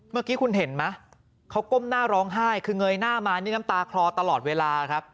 เมื่อกี้คุณเห็นไหมเขาก้มหน้าร้องไห้คือเงยหน้ามานี่น้ำตาคลอตลอดเวลาครับ